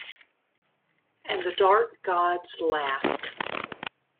And the Dark Gods laffed...